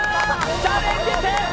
チャレンジ、成功！